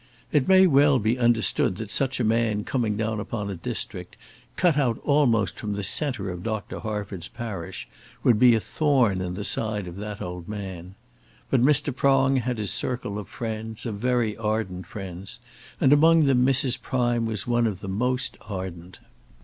It may well be understood that such a man coming down upon a district, cut out almost from the centre of Dr. Harford's parish, would be a thorn in the side of that old man. But Mr. Prong had his circle of friends, of very ardent friends, and among them Mrs. Prime was one of the most ardent.